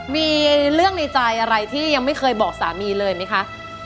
มีเรื่องในใจอะไรที่ยังไม่เคยบอกสามีเลยไหมคะ